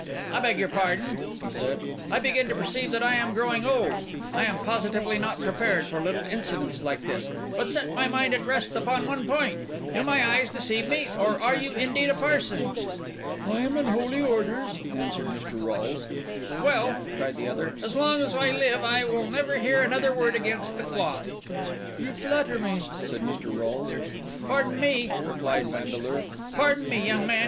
"I beg your pardon," he said; "I begin to perceive that I am growing old! I am positively not prepared for little incidents like this. But set my mind at rest upon one point: do my eyes deceive me, or are you indeed a parson?" "I am in holy orders," answered Mr. Rolles. "Well," cried the other, "as long as I live I will never hear another word against the cloth!" "You flatter me," said Mr. Rolles. "Pardon me," replied Vandeleur; "pardon me, young man.